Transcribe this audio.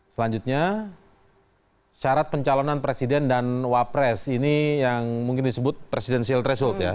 selanjutnya syarat pencalonan presiden dan wapres ini yang mungkin disebut presidensial threshold ya